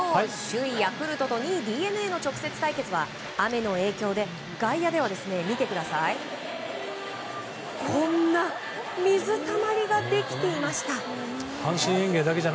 首位ヤクルトと２位ＤｅＮＡの直接対決は雨の影響で外野では、こんな水たまりができていました。